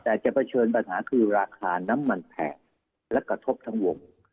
แต่จะเผชิญปัญหาคือราคาน้ำมันแพงและกระทบทั้งวง